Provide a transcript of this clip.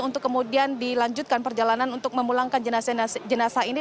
untuk kemudian dilanjutkan perjalanan untuk memulangkan jenazah ini